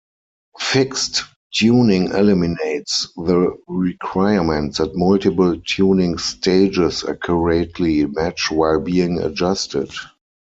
Fixed tuning eliminates the requirement that multiple tuning stages accurately match while being adjusted.